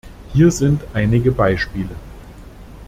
Hier sind einige Beispiele.